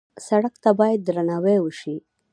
سړک ته باید درناوی وشي.